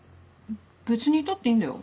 別にいたっていいんだよ？